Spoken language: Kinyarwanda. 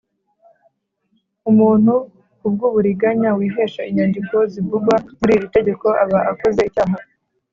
umuntu k’ubw’uburiganya wihesha inyandiko zivugwa muri iri tegeko aba akoze icyaha.